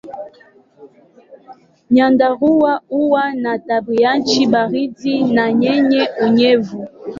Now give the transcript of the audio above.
Nyandarua huwa na tabianchi baridi na yenye unyevu.